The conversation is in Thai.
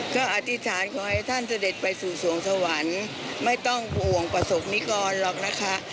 ก็อธิษฐานขอให้ท่านเสด็จไปสู่สวงสวรรค์ไม่ต้องห่วงประสบนิกรหรอกนะคะ